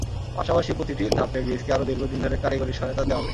পাশাপাশি প্রতিটি ধাপে গ্রিসকে আরও দীর্ঘদিন ধরে কারিগরি সহায়তা দেওয়া হবে।